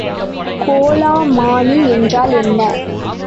கோளமானி என்றால் என்ன?